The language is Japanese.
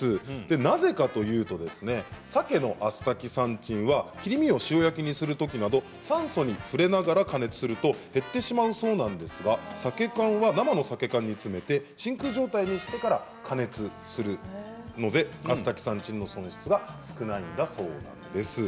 なぜかというとサケのアスタキサンチンは切り身を塩焼きにするときなど酸素に触れながら加熱すると減ってしまうそうなんですがサケ缶は生のサケを缶に詰めて真空状態にしてから加熱するのでアスタキサンチンの損失が少ないんだそうです。